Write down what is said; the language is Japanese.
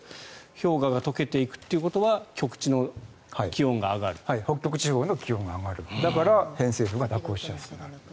氷河が解けていくということは北極地方の気温が上がるだから、偏西風が蛇行しやすくなる。